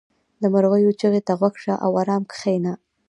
• د مرغیو چغې ته غوږ شه او آرام کښېنه.